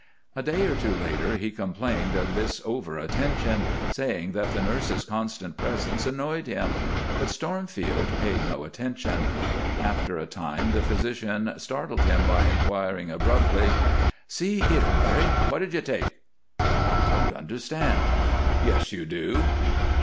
A day or two later he complained of this over attention, saying that the nurse's constant presence annoyed him, but Stormfield paid no attention. After a time the physician startled him by inquiring, abruptly: "See here, Murray, what did you take?" "I don't understand." "Yes, you do."